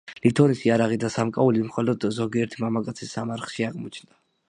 ლითონის იარაღი და სამკაული მხოლოდ ზოგიერთი მამაკაცის სამარხში აღმოჩნდა.